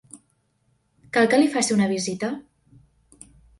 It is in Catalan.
Cal que li faci una visita?